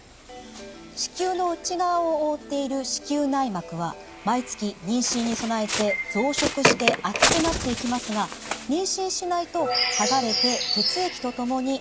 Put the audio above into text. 子宮の内側を覆っている子宮内膜は毎月妊娠に備えて増殖して厚くなっていきますが妊娠しないと剥がれて血液とともに体の外に排出されます。